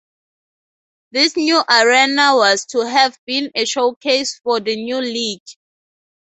This new arena was to have been a showcase for the new league.